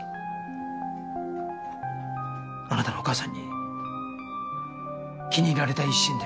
あなたのお母さんに気に入られたい一心で。